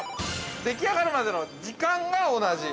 でき上るまでの時間が同じ。